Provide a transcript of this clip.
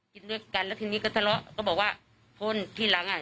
กินด้วยกันแล้วทีนี้ก็ทะเลาะก็บอกว่าคนที่หลังอ่ะ